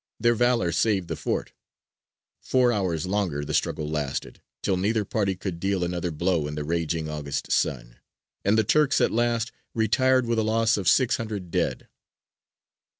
Their valour saved the fort. Four hours longer the struggle lasted, till neither party could deal another blow in the raging August sun; and the Turks at last retired with a loss of six hundred dead.